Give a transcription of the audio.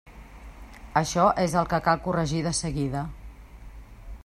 Això és el que cal corregir de seguida.